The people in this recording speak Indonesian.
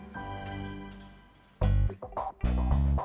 di kenapa lu nunggu